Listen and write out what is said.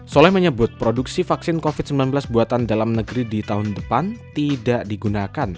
soleh menyebut produksi vaksin covid sembilan belas buatan dalam negeri di tahun depan tidak digunakan